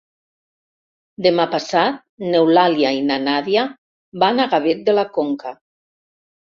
Demà passat n'Eulàlia i na Nàdia van a Gavet de la Conca.